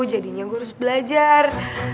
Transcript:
jadinya gue harus belajar